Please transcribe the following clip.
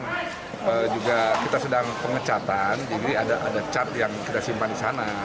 kemudian juga kita sedang pengecatan jadi ada cat yang kita simpan di sana